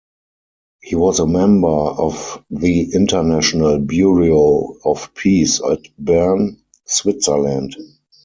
He was a member of the International Bureau of Peace at Bern, Switzerland.